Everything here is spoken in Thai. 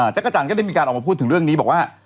จักรจันทร์ก็ได้มีการออกมาพูดถึงเรื่องนี้บอกว่า